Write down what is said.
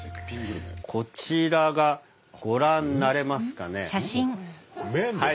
こちらがご覧になれますかね。何？